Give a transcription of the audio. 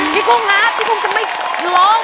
ปีกุ้งจะไม่ร้อง